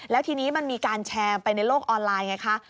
แล้วทีนี้มันมีการแชร์ไปในโลกออนไลน์ไงคะ